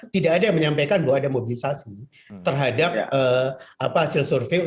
tidak ada yang menyampaikan bahwa ada mobilisasi terhadap hasil survei